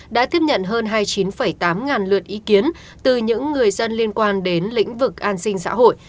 đã tiếp nhận hơn hai mươi chín tám ngàn lượt ý kiến từ những người dân liên quan đến lĩnh vực an sinh xã hội